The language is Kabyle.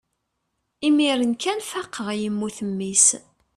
imir-n kan i faqeɣ yemmut mmi-s